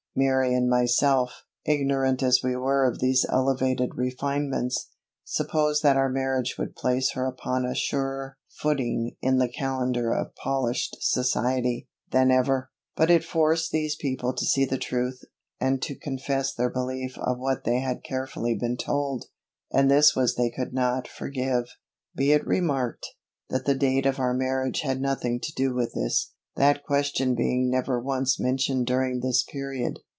Mary and myself, ignorant as we were of these elevated refinements, supposed that our marriage would place her upon a surer footing in the calendar of polished society, than ever. But it forced these people to see the truth, and to confess their belief of what they had carefully been told; and this they could not forgive. Be it remarked, that the date of our marriage had nothing to do with this, that question being never once mentioned during this period.